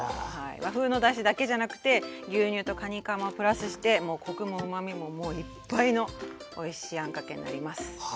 和風のだしだけじゃなくて牛乳とかにかまプラスしてコクもうまみももういっぱいのおいしいあんかけになります。